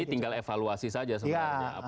jadi tinggal evaluasi saja sebenarnya